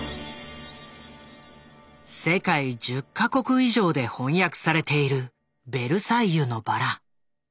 世界１０か国以上で翻訳されている「ベルサイユのばら」。